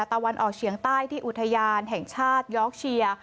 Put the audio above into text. ตะวันออกเฉียงใต้ที่อุทยานแห่งชาติยอกเชียร์